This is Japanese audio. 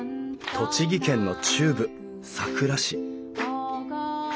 栃木県の中部さくら市